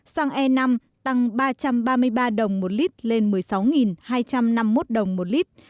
xăng e năm tăng ba trăm ba mươi ba đồng một lít lên một mươi sáu hai trăm năm mươi một đồng một lít